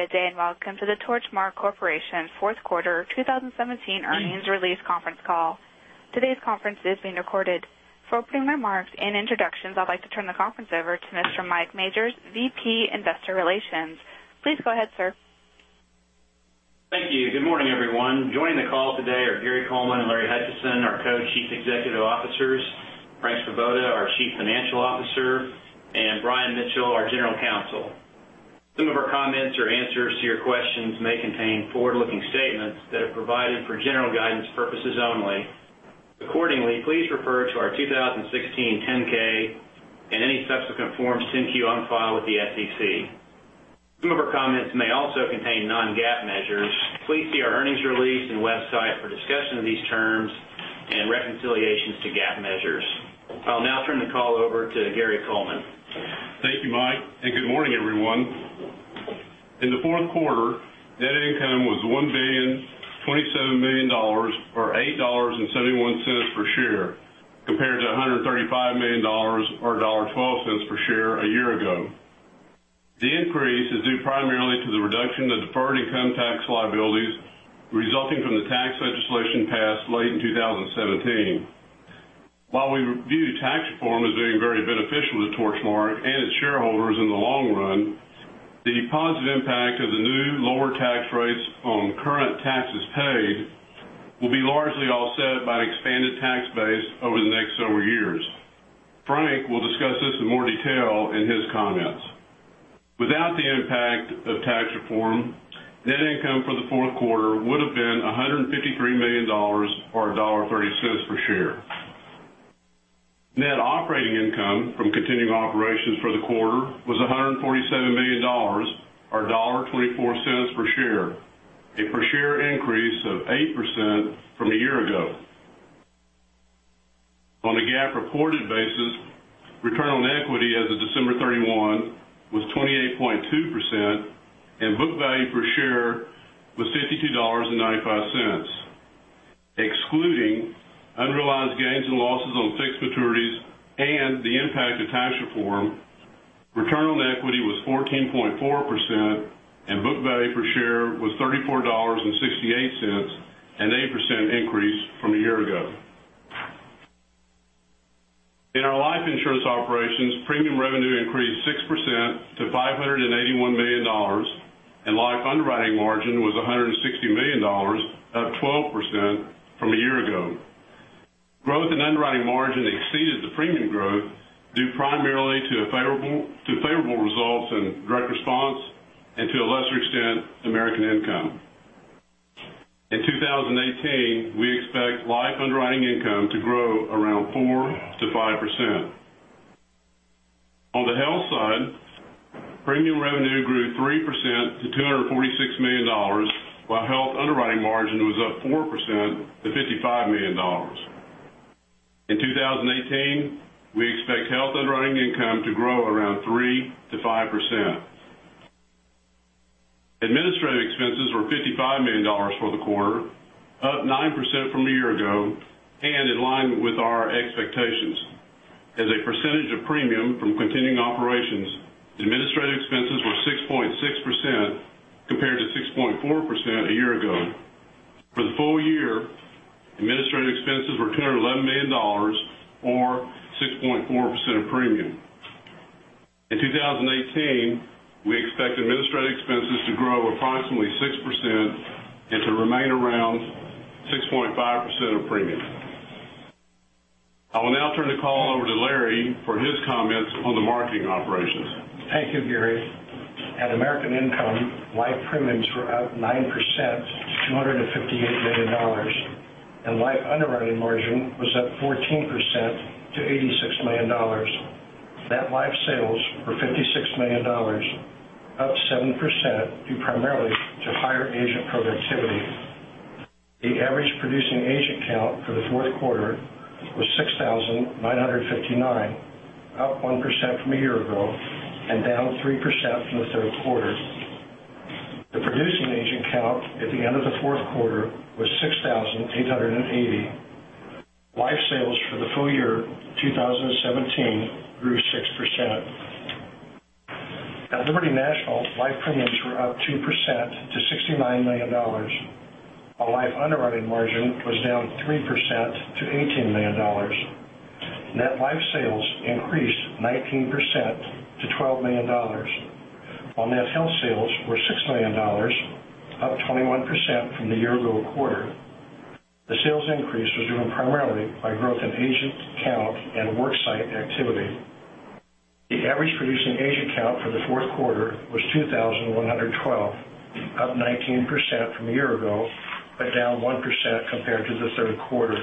Good day, and welcome to the Torchmark Corporation fourth quarter 2017 earnings release conference call. Today's conference is being recorded. For opening remarks and introductions, I'd like to turn the conference over to Mr. Mike Majors, VP, Investor Relations. Please go ahead, sir. Thank you. Good morning, everyone. Joining the call today are Gary Coleman and Larry Hutchison, our Co-Chief Executive Officers, Frank Svoboda, our Chief Financial Officer, and Brian Mitchell, our General Counsel. Some of our comments or answers to your questions may contain forward-looking statements that are provided for general guidance purposes only. Accordingly, please refer to our 2016 10-K and any subsequent Forms 10-Q on file with the SEC. Some of our comments may also contain non-GAAP measures. Please see our earnings release and website for discussion of these terms and reconciliations to GAAP measures. I'll now turn the call over to Gary Coleman. Thank you, Mike, and good morning, everyone. In the fourth quarter, net income was $1.027 billion, or $8.71 per share, compared to $135 million, or $1.12 per share a year ago. The increase is due primarily to the reduction in the deferred income tax liabilities resulting from the tax legislation passed late in 2017. While we view tax reform as being very beneficial to Torchmark and its shareholders in the long run, the positive impact of the new lower tax rates on current taxes paid will be largely offset by an expanded tax base over the next several years. Frank will discuss this in more detail in his comments. Without the impact of tax reform, net income for the fourth quarter would've been $153 million, or $1.30 per share. Net operating income from continuing operations for the quarter was $147 million, or $1.24 per share, a per-share increase of 8% from a year ago. On a GAAP-reported basis, return on equity as of December 31 was 28.2%, and book value per share was $52.95. Excluding unrealized gains and losses on fixed maturities and the impact of tax reform, return on equity was 14.4%, and book value per share was $34.68, an 8% increase from a year ago. In our life insurance operations, premium revenue increased 6% to $581 million, and life underwriting margin was $160 million, up 12% from a year ago. Growth in underwriting margin exceeded the premium growth, due primarily to favorable results in direct response and, to a lesser extent, American Income. In 2018, we expect life underwriting income to grow around 4% to 5%. On the health side, premium revenue grew 3% to $246 million, while health underwriting margin was up 4% to $55 million. In 2018, we expect health underwriting income to grow around 3% to 5%. Administrative expenses were $55 million for the quarter, up 9% from a year ago, and in line with our expectations. As a percentage of premium from continuing operations, administrative expenses were 6.6%, compared to 6.4% a year ago. For the full year, administrative expenses were $211 million, or 6.4% of premium. In 2018, we expect administrative expenses to grow approximately 6% and to remain around 6.5% of premium. I will now turn the call over to Larry for his comments on the marketing operations. Thank you, Gary. At American Income, life premiums were up 9%, $258 million, and life underwriting margin was up 14% to $86 million. Net life sales were $56 million, up 7% due primarily to higher agent productivity. The average producing agent count for the fourth quarter was 6,959, up 1% from a year ago and down 3% from the third quarter. The producing agent count at the end of the fourth quarter was 6,880. Life sales for the full year 2017 grew 6%. At Liberty National, life premiums were up 2% to $69 million, while life underwriting margin was down 3% to $18 million. Net life sales increased 19% to $12 million, while net health sales were $6 million, up 21% from the year-ago quarter. The sales increase was driven primarily by growth in agent count and work site activity. The average producing agent count for the fourth quarter was 2,112, up 19% from a year ago, but down 1% compared to the third quarter.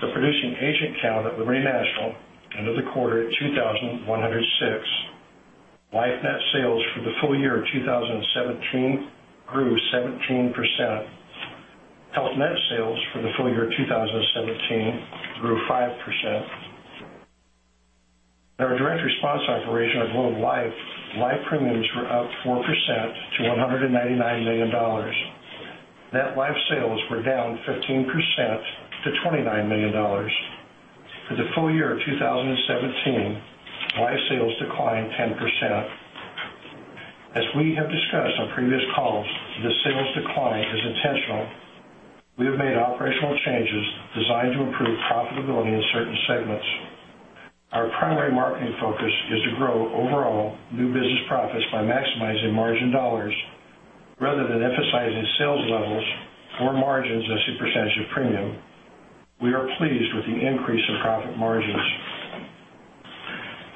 The producing agent count at Liberty National end of the quarter at 2,106. Life net sales for the full year of 2017 grew 17%. Health net sales for the full year of 2017 grew 5%. At our direct response operation at Globe Life, life premiums were up 4% to $199 million. Net life sales were down 15% to $29 million. For the full year of 2017, life sales declined 10%. As we have discussed on previous calls, this sales decline is intentional. We have made operational changes designed to improve profitability in certain segments. Our primary marketing focus is to grow overall new business profits by maximizing margin dollars rather than emphasizing sales levels or margins as a percentage of premium. We are pleased with the increase in profit margins.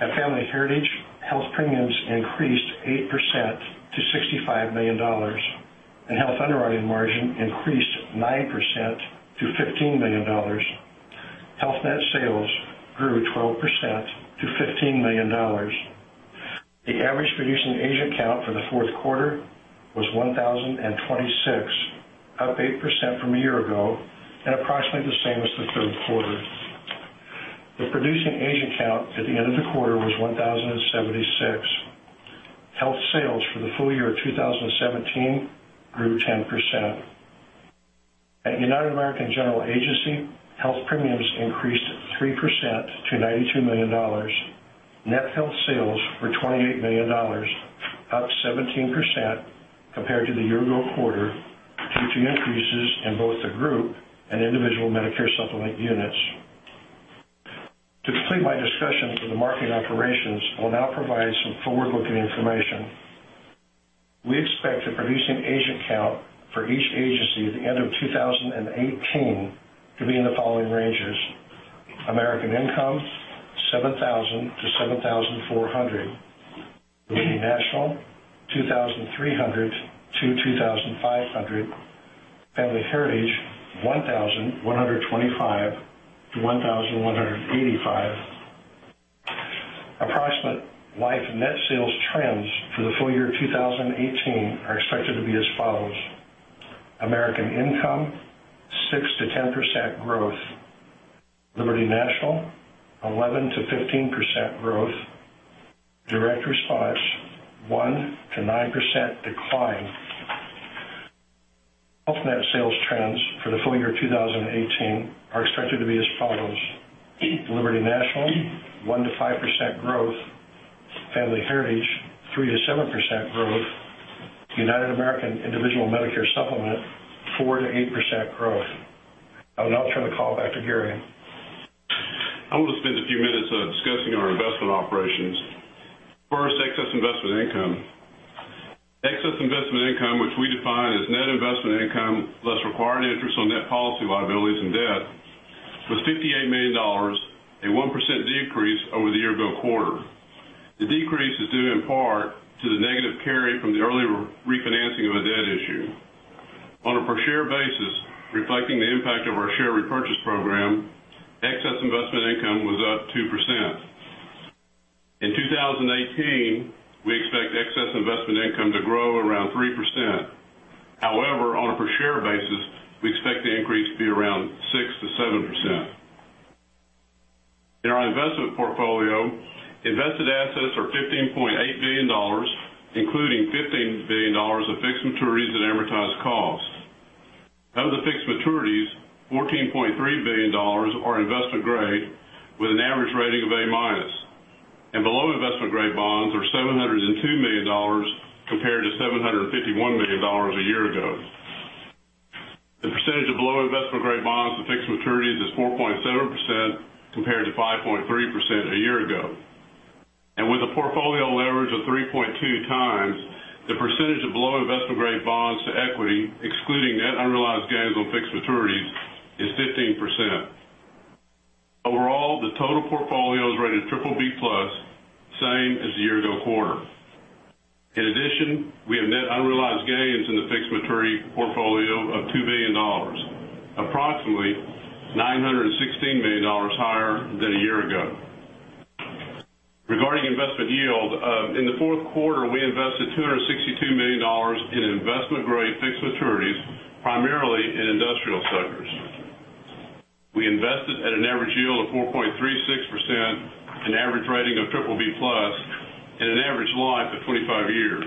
At Family Heritage, health premiums increased 8% to $65 million, and health underwriting margin increased 9% to $15 million. Health net sales grew 12% to $15 million. The average producing agent count for the fourth quarter was 1,026, up 8% from a year ago and approximately the same as the third quarter. The producing agent count at the end of the quarter was 1,076. Health sales for the full year of 2017 grew 10%. At United American General Agency, health premiums increased 3% to $92 million. Net health sales were $28 million, up 17% compared to the year-ago quarter due to increases in both the group and individual Medicare Supplement units. To complete my discussion for the marketing operations, I will now provide some forward-looking information. We expect the producing agent count for each agency at the end of 2018 to be in the following ranges: American Income, 7,000-7,400. Liberty National, 2,300-2,500. Family Heritage, 1,125-1,185. Approximate life net sales trends for the full year 2018 are expected to be as follows: American Income, 6%-10% growth. Liberty National, 11%-15% growth. Direct Response, 1%-9% decline. Health net sales trends for the full year 2018 are expected to be as follows: Liberty National, 1%-5% growth. Family Heritage, 3%-7% growth. United American Individual Medicare Supplement, 4%-8% growth. I will now turn the call back to Gary. I want to spend a few minutes discussing our investment operations. First, excess investment income. Excess investment income, which we define as net investment income plus required interest on net policy liabilities and debt, was $58 million, a 1% decrease over the year-ago quarter. The decrease is due in part to the negative carry from the early refinancing of a debt issue. On a per-share basis, reflecting the impact of our share repurchase program, excess investment income was up 2%. In 2018, we expect excess investment income to grow around 3%. However, on a per-share basis, we expect the increase to be around 6%-7%. In our investment portfolio, invested assets are $15.8 billion, including $15 billion of fixed maturities at amortized cost. Of the fixed maturities, $14.3 billion are investment-grade with an average rating of A-, and below-investment-grade bonds are $702 million compared to $751 million a year ago. The percentage of below-investment-grade bonds to fixed maturities is 4.7% compared to 5.3% a year ago. With a portfolio leverage of 3.2 times, the percentage of below-investment-grade bonds to equity, excluding net unrealized gains on fixed maturities, is 15%. Overall, the total portfolio is rated BBB+, same as the year-ago quarter. In addition, we have net unrealized gains in the fixed maturity portfolio of $2 billion, approximately $916 million higher than a year ago. Regarding investment yield, in the fourth quarter, we invested $262 million in investment-grade fixed maturities, primarily in industrial sectors. We invested at an average yield of 4.36%, an average rating of BBB+, and an average life of 25 years.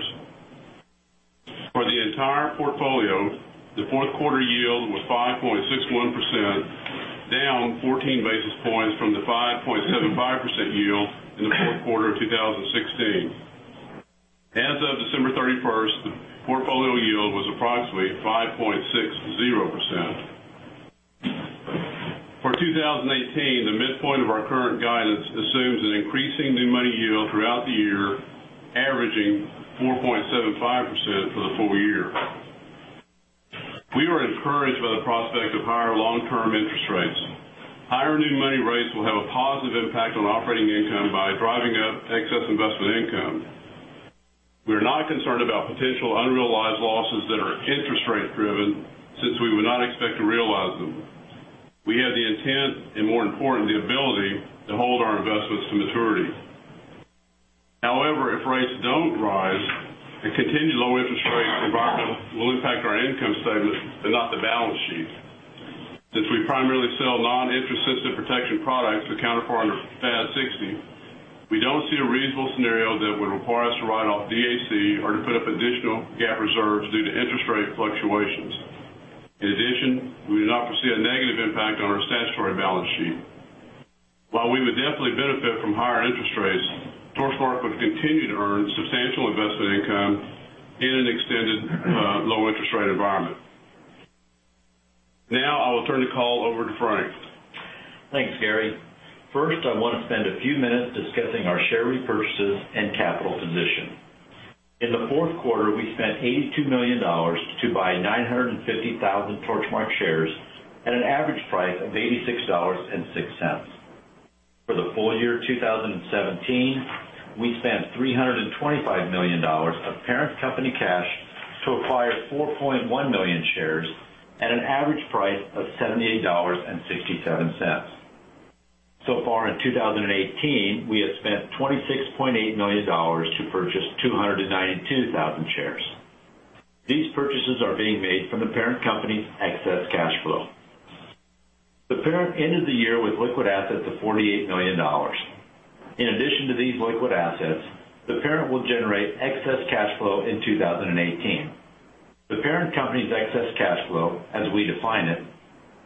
For the entire portfolio, the fourth quarter yield was 5.61%, down 14 basis points from the 5.75% yield in the fourth quarter of 2016. As of December 31st, the portfolio yield was approximately 5.60%. For 2018, the midpoint of our current guidance assumes an increasing new money yield throughout the year, averaging 4.75% for the full year. We are encouraged by the prospect of higher long-term interest rates. Higher new money rates will have a positive impact on operating income by driving up excess investment income. We are not concerned about potential unrealized losses that are interest rate-driven since we would not expect to realize them. We have the intent and, more important, the ability to hold our investments to maturity. However, if rates don't rise, a continued low interest rate environment will impact our income statement and not the balance sheet. Since we primarily sell non-interest sensitive protection products with counterparty FAS 60, we don't see a reasonable scenario that would require us to write off DAC or to put up additional GAAP reserves due to interest rate fluctuations. In addition, we do not foresee a negative impact on our statutory balance sheet. While we would definitely benefit from higher interest rates, Torchmark would continue to earn substantial investment income in an extended low interest rate environment. I will turn the call over to Frank. Thanks, Gary. I want to spend a few minutes discussing our share repurchases and capital position. In the fourth quarter, we spent $82 million to buy 950,000 Torchmark shares at an average price of $86.06. For the full year 2017, we spent $325 million of parent company cash to acquire 4.1 million shares at an average price of $78.67. In 2018, we have spent $26.8 million to purchase 292,000 shares. These purchases are being made from the parent company's excess cash flow. The parent ended the year with liquid assets of $48 million. In addition to these liquid assets, the parent will generate excess cash flow in 2018. The parent company's excess cash flow, as we define it,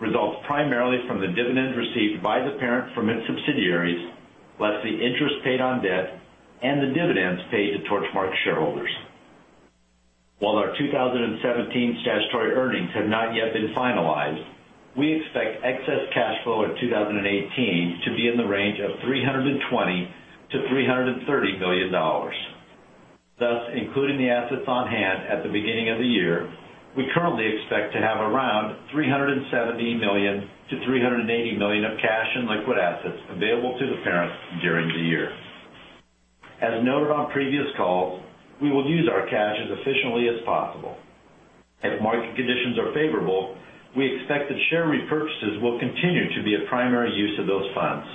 results primarily from the dividends received by the parent from its subsidiaries, less the interest paid on debt and the dividends paid to Torchmark shareholders. While our 2017 statutory earnings have not yet been finalized, we expect excess cash flow in 2018 to be in the range of $320 million-$330 million. Including the assets on hand at the beginning of the year, we currently expect to have around $370 million-$380 million of cash in liquid assets available to the parent during the year. As noted on previous calls, we will use our cash as efficiently as possible. If market conditions are favorable, we expect that share repurchases will continue to be a primary use of those funds.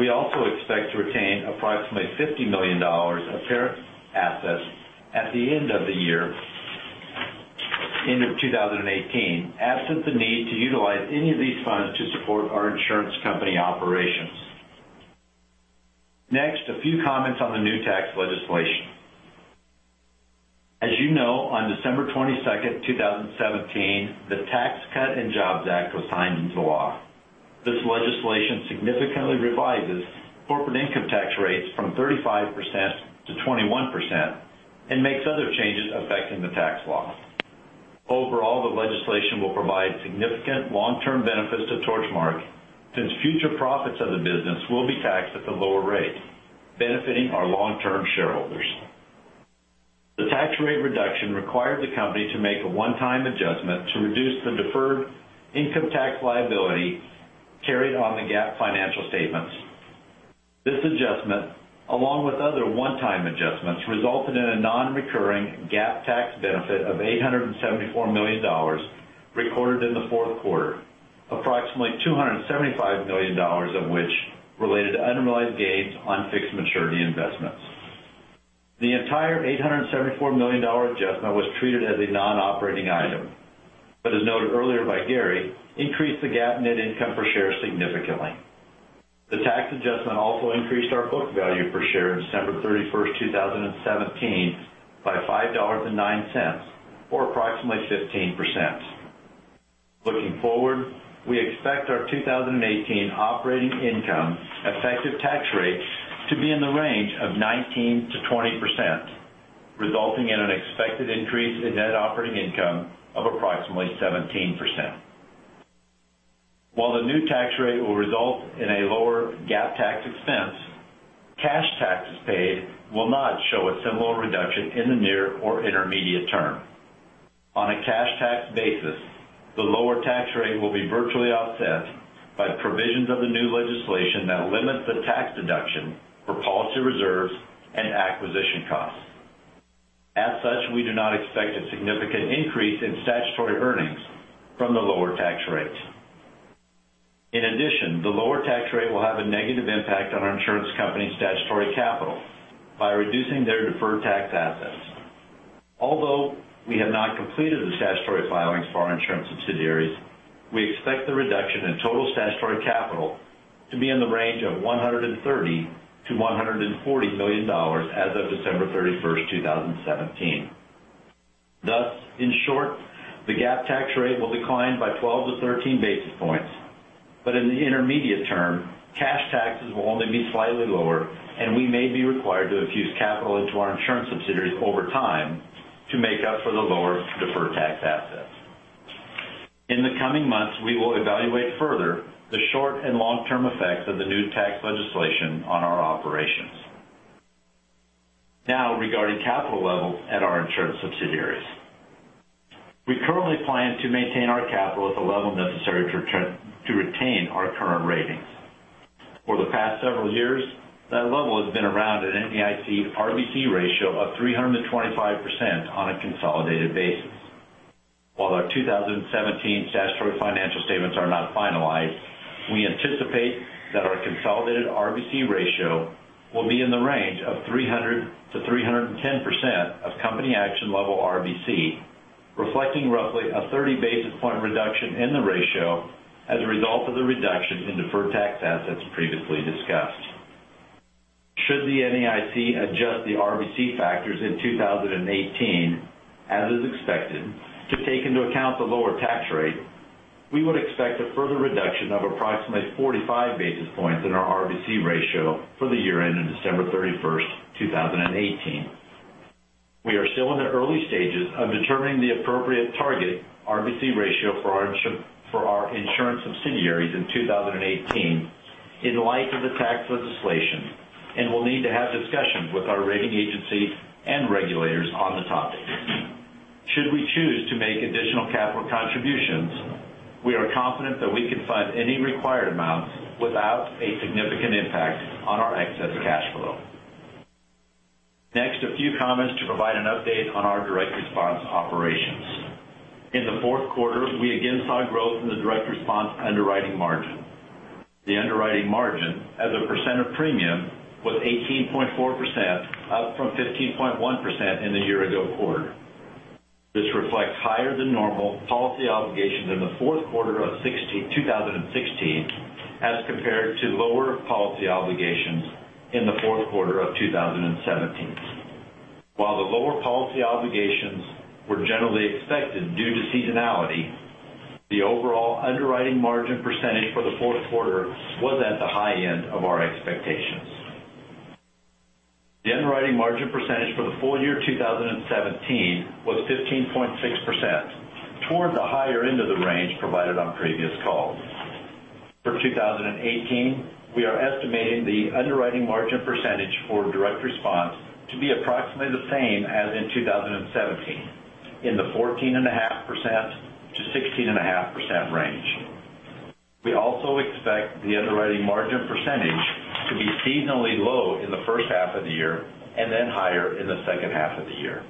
We also expect to retain approximately $50 million of parent assets at the end of the year, end of 2018, absent the need to utilize any of these funds to support our insurance company operations. A few comments on the new tax legislation. On December 22nd, 2017, the Tax Cuts and Jobs Act was signed into law. This legislation significantly revises corporate income tax rates from 35% to 21% and makes other changes affecting the tax law. The legislation will provide significant long-term benefits to Torchmark, since future profits of the business will be taxed at the lower rate, benefiting our long-term shareholders. The tax rate reduction required the company to make a one-time adjustment to reduce the deferred income tax liability carried on the GAAP financial statements. This adjustment, along with other one-time adjustments, resulted in a non-recurring GAAP tax benefit of $874 million recorded in the fourth quarter, approximately $275 million of which related to unrealized gains on fixed maturity investments. The entire $874 million adjustment was treated as a non-operating item, but as noted earlier by Gary, increased the GAAP net income per share significantly. The tax adjustment also increased our book value per share of December 31st, 2017 by $5.09, or approximately 15%. Looking forward, we expect our 2018 operating income effective tax rate to be in the range of 19%-20%, resulting in an expected increase in net operating income of approximately 17%. While the new tax rate will result in a lower GAAP tax expense, cash taxes paid will not show a similar reduction in the near or intermediate term. On a cash tax basis, the lower tax rate will be virtually offset by the provisions of the new legislation that limits the tax deduction for policy reserves and acquisition costs. We do not expect a significant increase in statutory earnings from the lower tax rates. In addition, the lower tax rate will have a negative impact on our insurance company's statutory capital by reducing their deferred tax assets. We have not completed the statutory filings for our insurance subsidiaries, we expect the reduction in total statutory capital to be in the range of $130 million-$140 million as of December 31st, 2017. In short, the GAAP tax rate will decline by 12-13 basis points, but in the intermediate term, cash taxes will only be slightly lower, and we may be required to infuse capital into our insurance subsidiaries over time to make up for the lower deferred tax assets. In the coming months, we will evaluate further the short and long-term effects of the new tax legislation on our operations. Regarding capital levels at our insurance subsidiaries. We currently plan to maintain our capital at the level necessary to retain our current ratings. For the past several years, that level has been around an NAIC RBC ratio of 325% on a consolidated basis. Our 2017 statutory financial statements are not finalized, we anticipate that our consolidated RBC ratio will be in the range of 300%-310% of company action level RBC, reflecting roughly a 30 basis point reduction in the ratio as a result of the reduction in deferred tax assets previously discussed. Should the NAIC adjust the RBC factors in 2018, as is expected, to take into account the lower tax rate, we would expect a further reduction of approximately 45 basis points in our RBC ratio for the year end of December 31st, 2018. We are still in the early stages of determining the appropriate target RBC ratio for our insurance subsidiaries in 2018 in light of the tax legislation, we'll need to have discussions with our rating agency and regulators on the topic. Should we choose to make additional capital contributions, we are confident that we can fund any required amounts without a significant impact on our excess cash flow. A few comments to provide an update on our direct response operations. In the fourth quarter, we again saw growth in the direct response underwriting margin. The underwriting margin as a percent of premium was 18.4%, up from 15.1% in the year-ago quarter. This reflects higher than normal policy obligations in the fourth quarter of 2016 as compared to lower policy obligations in the fourth quarter of 2017. The lower policy obligations were generally expected due to seasonality, the overall underwriting margin percentage for the fourth quarter was at the high end of our expectations. The underwriting margin percentage for the full year 2017 was 15.6%, toward the higher end of the range provided on previous calls. For 2018, we are estimating the underwriting margin percentage for direct response to be approximately the same as in 2017, in the 14.5%-16.5% range. We also expect the underwriting margin percentage to be seasonally low in the first half of the year and then higher in the second half of the year.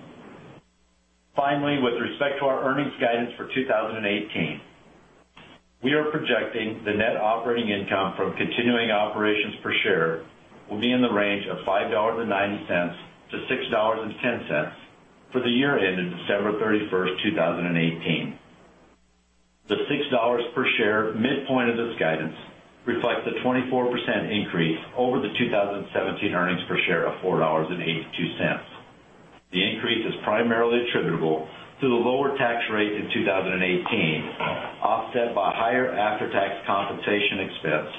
Finally, with respect to our earnings guidance for 2018, we are projecting the net operating income from continuing operations per share will be in the range of $5.90-$6.10 for the year end of December 31st, 2018. The $6 per share midpoint of this guidance reflects a 24% increase over the 2017 earnings per share of $4.82. The increase is primarily attributable to the lower tax rate in 2018, offset by higher after-tax compensation expense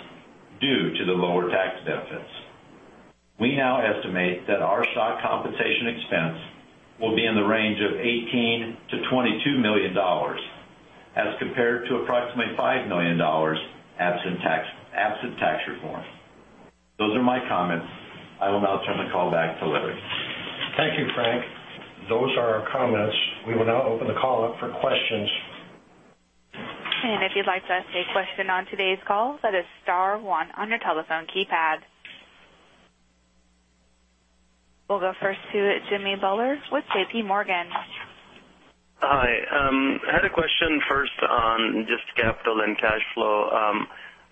due to the lower tax benefits. We now estimate that our stock compensation expense will be in the range of $18 million-$22 million as compared to approximately $5 million absent tax reform. Those are my comments. I will now turn the call back to Larry. Thank you, Frank. Those are our comments. We will now open the call up for questions. If you'd like to ask a question on today's call, that is star one on your telephone keypad. We'll go first to Jamminder Bhullar with JPMorgan. Hi. I had a question first on just capital and cash flow.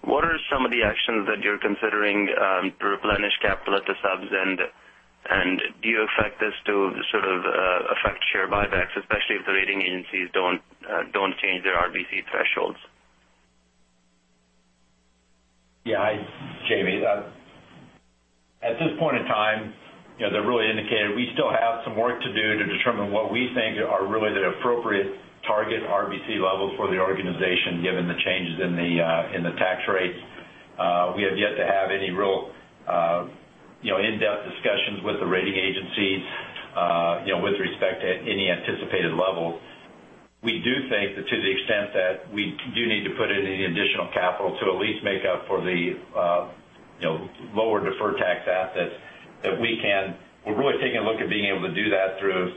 What are some of the actions that you're considering to replenish capital at the subs? Do you expect this to sort of affect share buybacks, especially if the rating agencies don't change their RBC thresholds? Yeah. Jimmy, at this point in time, as I've already indicated, we still have some work to do to determine what we think are really the appropriate target RBC levels for the organization, given the changes in the tax rates. We have yet to have any real in-depth discussions with the rating agencies with respect to any anticipated levels. We do think that to the extent that we do need to put in any additional capital to at least make up for the lower deferred tax assets, that we're really taking a look at being able to do that through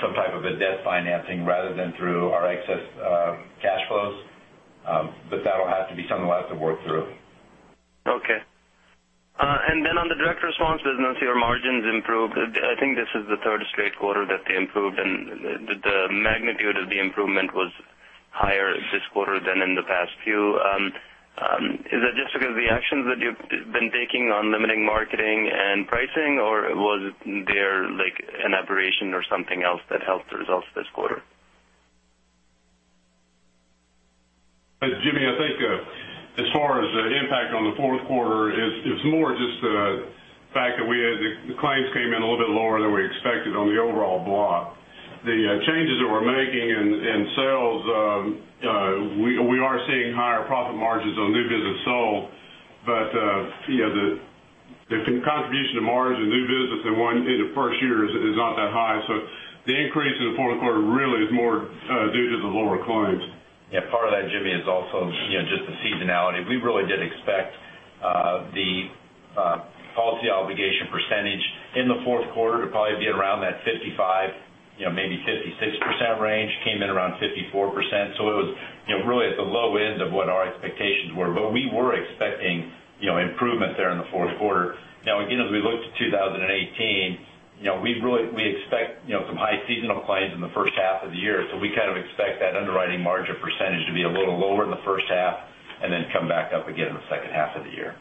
some type of a debt financing rather than through our excess cash flows. That'll have to be something we'll have to work through. Okay. On the Direct Response business, your margins improved. I think this is the third straight quarter that they improved, and the magnitude of the improvement was higher this quarter than in the past few. Is that just because of the actions that you've been taking on limiting marketing and pricing, or was there an aberration or something else that helped the results this quarter? Jimmy, I think as far as the impact on the fourth quarter, it's more just the fact that the claims came in a little bit lower than we expected on the overall block. The changes that we're making in sales, we are seeing higher profit margins on new business sold, but the contribution to margin, new business in the first year is not that high. The increase in the fourth quarter really is more due to the lower claims. Yeah. Part of that, Jimmy, is also just the seasonality. We really did expect the policy obligation percentage in the fourth quarter to probably be around that 55%, maybe 56% range. Came in around 54%. It was really at the low end of what our expectations were. We were expecting improvement there in the fourth quarter. Again, as we look to 2018, we expect some high seasonal claims in the first half of the year. We kind of expect that underwriting margin percentage to be a little lower in the first half and then come back up again in the second half of the year.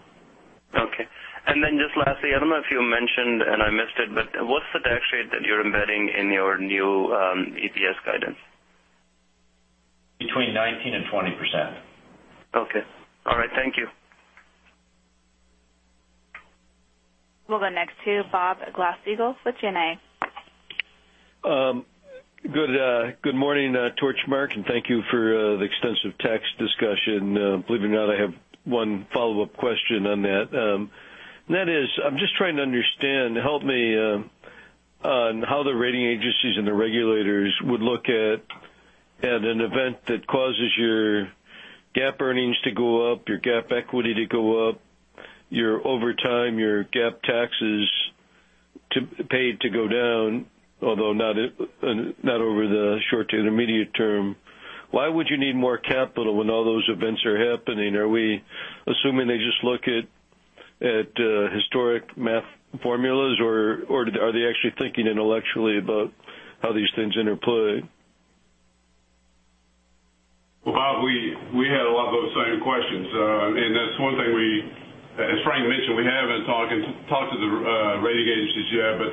Okay. Just lastly, I don't know if you mentioned, and I missed it, what's the tax rate that you're embedding in your new EPS guidance? Between 19% and 20%. Okay. All right. Thank you. We'll go next to Bob Glasspiegel with CNA. Good morning, Torchmark. Thank you for the extensive tax discussion. Believe it or not, I have one follow-up question on that. That is, I'm just trying to understand. Help me on how the rating agencies and the regulators would look at an event that causes your GAAP earnings to go up, your GAAP equity to go up, your overtime, your GAAP taxes paid to go down, although not over the short to intermediate term. Why would you need more capital when all those events are happening? Are we assuming they just look at historic math formulas, or are they actually thinking intellectually about how these things interplay? Well, Bob, we had a lot of those same questions. That's one thing, as Frank mentioned, we haven't talked to the rating agencies yet, but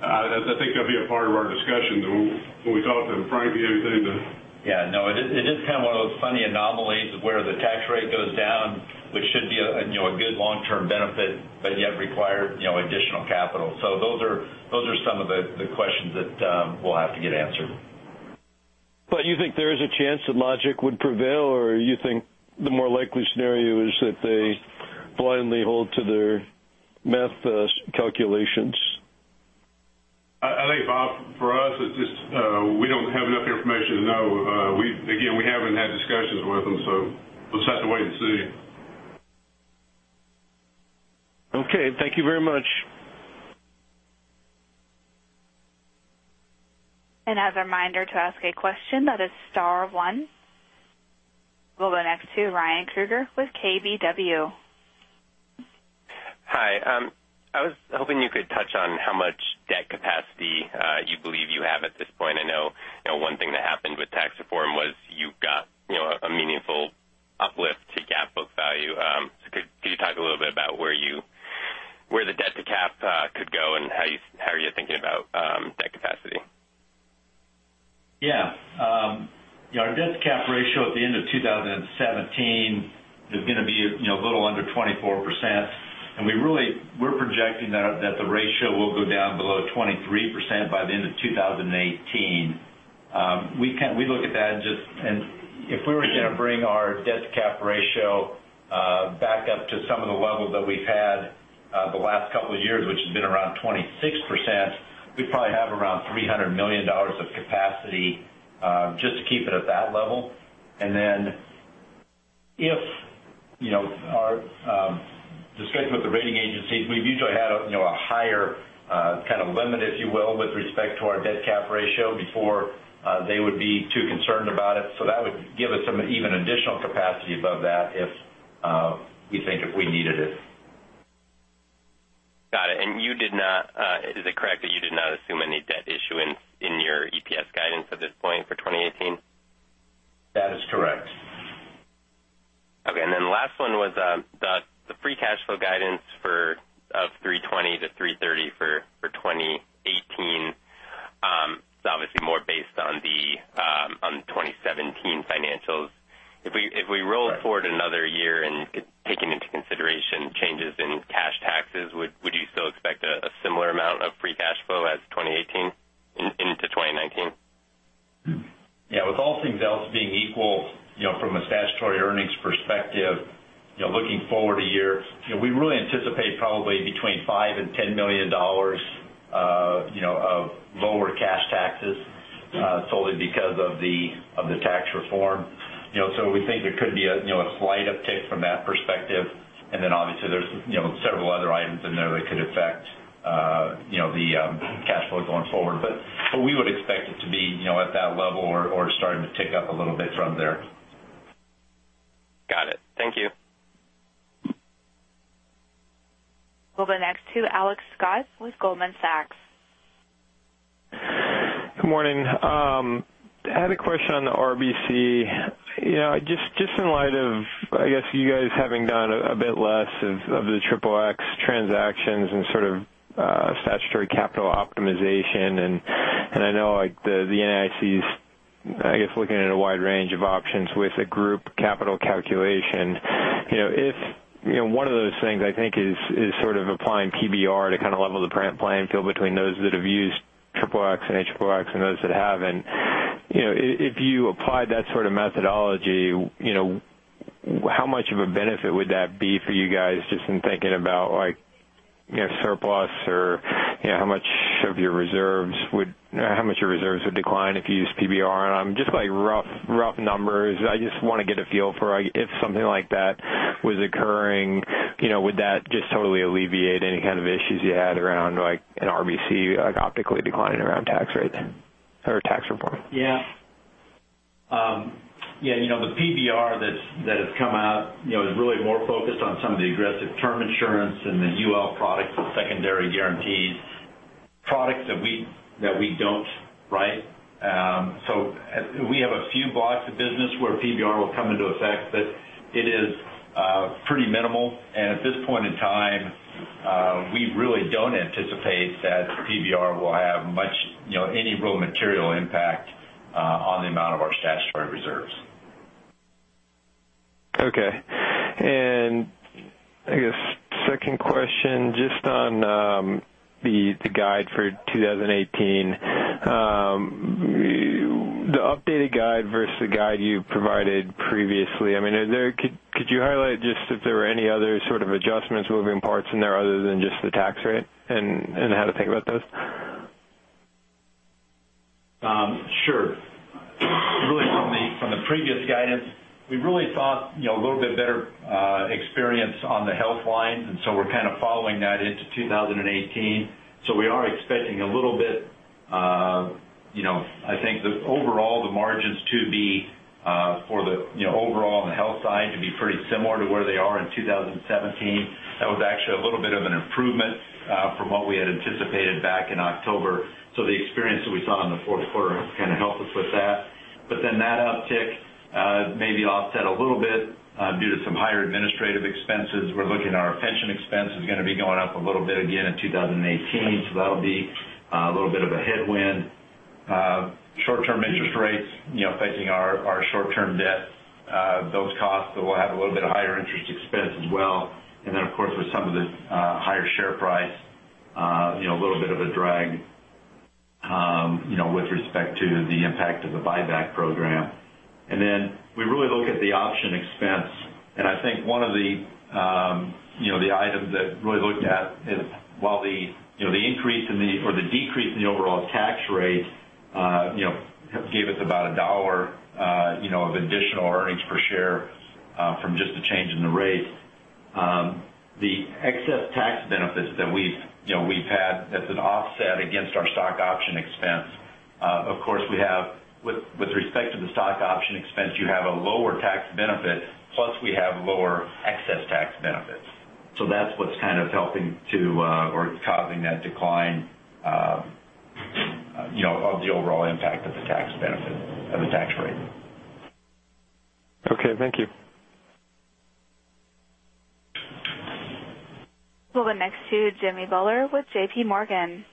I think that'll be a part of our discussion when we talk to them. Frank, you have anything to? Yeah, no, it is one of those funny anomalies where the tax rate goes down, which should be a good long-term benefit, but yet require additional capital. Those are some of the questions that we'll have to get answered. You think there is a chance that logic would prevail, or you think the more likely scenario is that they blindly hold to their math calculations? I think, Bob, for us, it's just we don't have enough information to know. We haven't had discussions with them, we'll just have to wait and see. Okay. Thank you very much. As a reminder, to ask a question, that is star one. We'll go next to Ryan Krueger with KBW. Hi. I was hoping you could touch on how much debt capacity you believe you have at this point. I know one thing that happened with tax reform was you got a meaningful uplift to GAAP book value. Could you talk a little bit about where the debt to cap could go and how are you thinking about debt capacity? Yeah. Our debt to cap ratio at the end of 2017 is going to be a little under 24%, and we're projecting that the ratio will go down below 23% by the end of 2018. We look at that, and if we were going to bring our debt to cap ratio back up to some of the levels that we've had the last couple of years, which has been around 26%, we'd probably have around $300 million of capacity just to keep it at that level. If our discussion with the rating agencies, we've usually had a higher kind of limit, if you will, with respect to our debt cap ratio before they would be too concerned about it. That would give us some even additional capacity above that, we think, if we needed it. Got it. Is it correct that you did not assume any debt issuance in your EPS guidance at this point for 2018? That is correct. Okay. The last one was the free cash flow guidance of $320 million to $330 million for 2018. It's obviously more based on the 2017 financials. Right. If we rolled forward another year and taken into consideration changes in cash taxes, would you still expect a similar amount of free cash flow as 2018 into 2019? Yeah. With all things else being equal from a statutory earnings perspective, looking forward a year, we really anticipate probably between $5 million and $10 million of lower cash taxes solely because of the tax reform. We think there could be a slight uptick from that perspective. Obviously there's several other items in there that could affect the cash flow going forward. We would expect it to be at that level or starting to tick up a little bit from there. Got it. Thank you. We'll go next to Alex Scott with Goldman Sachs. Good morning. I had a question on the RBC. Just in light of, I guess, you guys having done a bit less of the Triple X transactions and sort of statutory capital optimization, I know the NAIC is, I guess, looking at a wide range of options with a group capital calculation. One of those things I think is sort of applying PBR to kind of level the playing field between those that have used Triple X and H Triple X and those that haven't. If you applied that sort of methodology, how much of a benefit would that be for you guys just in thinking about surplus or how much your reserves would decline if you used PBR? Just rough numbers. I just want to get a feel for if something like that was occurring, would that just totally alleviate any kind of issues you had around an RBC optically declining around tax rate or tax reform? Yeah. The PBR that has come out is really more focused on some of the aggressive term insurance and the UL products with secondary guarantees, products that we don't write. We have a few blocks of business where PBR will come into effect, but it is pretty minimal. At this point in time, we really don't anticipate that PBR will have any real material impact on the amount of our statutory reserves. Okay. I guess second question, just on the guide for 2018. The updated guide versus the guide you provided previously. Could you highlight just if there were any other sort of adjustments, moving parts in there other than just the tax rate and how to think about those? Sure. From the previous guidance, we really thought a little bit better experience on the Health line, we're kind of following that into 2018. We are expecting a little bit, I think overall the margins to be, overall on the health side, to be pretty similar to where they are in 2017. That was actually a little bit of an improvement from what we had anticipated back in October. That uptick may be offset a little bit due to some higher administrative expenses. We're looking at our pension expense is going to be going up a little bit again in 2018. That'll be a little bit of a headwind. Short-term interest rates affecting our short-term debt, those costs will have a little bit of higher interest expense as well. Of course, with some of the higher share price, a little bit of a drag with respect to the impact of the buyback program. We really look at the option expense. I think one of the items that really looked at is while the decrease in the overall tax rate gave us about $1 of additional earnings per share from just the change in the rate. The excess tax benefits that we've had as an offset against our stock option expense. Of course, with respect to the stock option expense, you have a lower tax benefit, plus we have lower excess tax benefits. That's what's kind of helping to or causing that decline of the overall impact of the tax benefit, of the tax rate. Okay, thank you. We'll go next to Jimmy Bhullar with JPMorgan.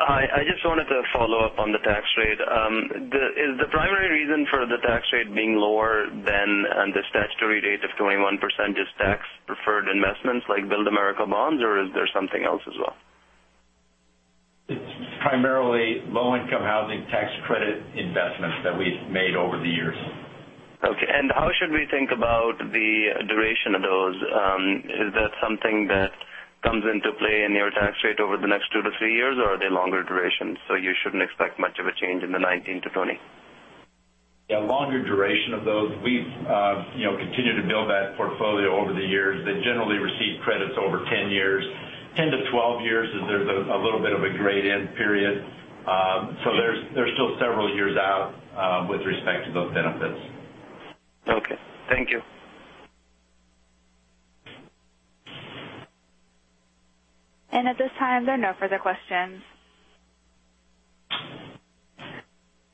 Hi, I just wanted to follow up on the tax rate. Is the primary reason for the tax rate being lower than the statutory rate of 21% just tax preferred investments like Build America Bonds, or is there something else as well? It's primarily Low-Income Housing Tax Credit investments that we've made over the years. Okay. How should we think about the duration of those? Is that something that comes into play in your tax rate over the next two to three years, or are they longer duration, so you shouldn't expect much of a change in the 2019 to 2020? Yeah, longer duration of those. We've continued to build that portfolio over the years. They generally receive credits over 10 years. 10 to 12 years is there's a little bit of a gradient period. There's still several years out with respect to those benefits. Okay. Thank you. At this time, there are no further questions.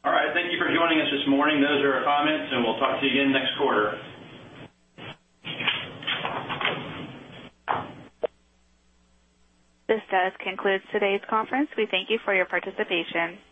All right. Thank you for joining us this morning. Those are our comments. We'll talk to you again next quarter. This does conclude today's conference. We thank you for your participation.